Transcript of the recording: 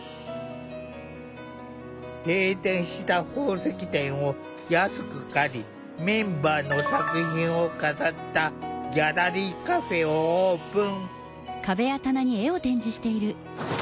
閉店した宝石店を安く借りメンバーの作品を飾ったギャラリーカフェをオープン。